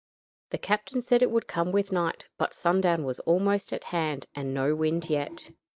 The captain said it would come with night, but sundown was almost at hand and no wind yet.